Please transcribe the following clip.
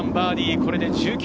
これで−１９。